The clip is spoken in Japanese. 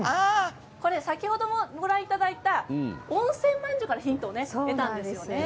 先ほどご覧いただいた温泉まんじゅうがヒントなんですよね。